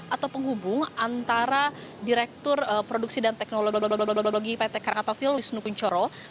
atau penghubung antara direktur produksi dan teknologi pt krakatautel wisnu kunchoro